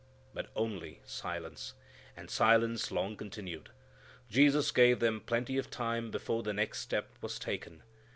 But only silence. And silence long continued. Jesus gave them plenty of time before the next step was taken.